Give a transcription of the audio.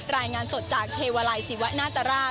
รายงานสดจากเทวาลัยศิวะนาตราช